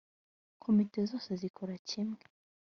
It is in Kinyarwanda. komite zose zikora kimwe